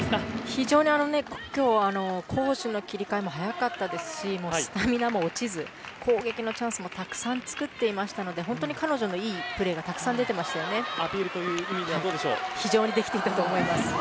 非常に、今日は攻守の切り替えも早かったですしスタミナも落ちず攻撃のチャンスもたくさん作っていましたので彼女のいいプレーがアピールという意味では非常にできていたと思います。